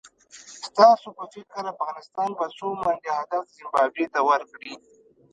ستاسو په فکر افغانستان به څو منډي هدف زیمبابوې ته ورکړي؟